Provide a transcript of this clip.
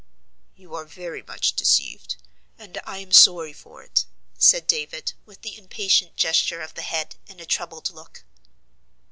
"You are very much deceived, and I am sorry for it," said David, with the impatient gesture of the head, and a troubled look.